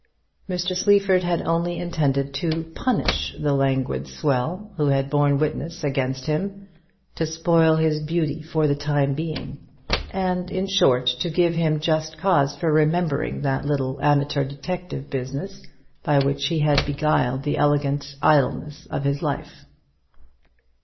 Mr. Sleaford had only intended to "punish" the "languid swell" who had borne witness against him; to spoil his beauty for the time being; and, in short, to give him just cause for remembering that little amateur detective business by which he had beguiled the elegant idleness of his life.